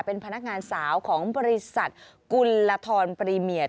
เป็นพนักงานสาวของบริษัทกุลธรปรีเมีย